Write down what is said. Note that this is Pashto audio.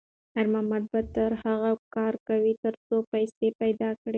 خیر محمد به تر هغو کار کوي تر څو پیسې پیدا کړي.